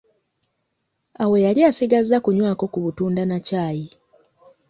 Awo yali asigazza kunywako ku butunda na caayi.